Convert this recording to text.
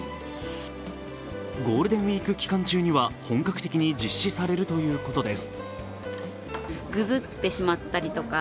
ゴールデンウイーク期間中には本格的に実施されるということです。